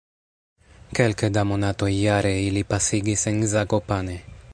Kelke da monatoj jare ili pasigis en Zakopane.